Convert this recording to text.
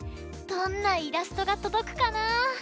どんなイラストがとどくかな？